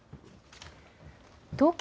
東京